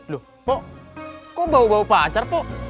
loh po kok bau bau pacar po